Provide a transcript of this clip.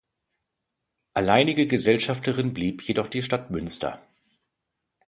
Alleinige Gesellschafterin blieb jedoch die Stadt Münster.